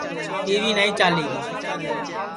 ٹی وی نائی چالیری